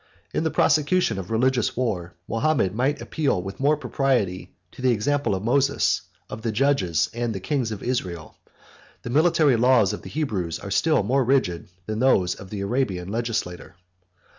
In the prosecution of religious war, Mahomet might appeal with more propriety to the example of Moses, of the Judges, and the kings of Israel. The military laws of the Hebrews are still more rigid than those of the Arabian legislator.